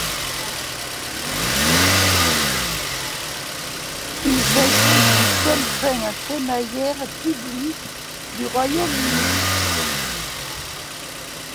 Il s'agit du seul train à crémaillère public du Royaume-Uni.